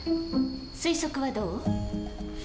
推測はどう？